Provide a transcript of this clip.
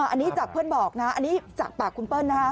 อันนี้จากเพื่อนบอกนะอันนี้จากปากคุณเปิ้ลนะฮะ